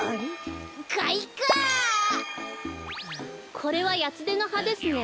これはヤツデのはですね。